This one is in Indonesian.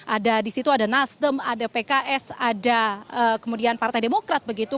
ada di situ ada nasdem ada pks ada kemudian partai demokrat begitu